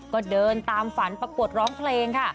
ก็เดินตามฝันประกวดร้องเพลงค่ะ